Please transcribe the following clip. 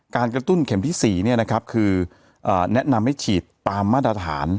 การกระตุ้นเข็มที่๔นี้นะครับคือแนะนำให้ฉีดตามมาตรฐาน